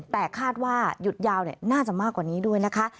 แต่คาดว่าหยุดยาวน่าจะมากกว่านี้ด้วยนะคะ